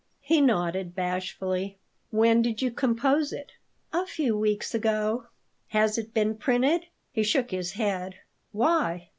He nodded bashfully "When did you compose it?" "A few weeks ago." "Has it been printed?" He shook his head "Why?"